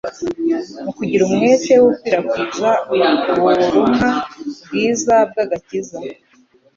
Mu kugira umwete wo gukwirakwiza uburumwa bwiza bw'agakiza,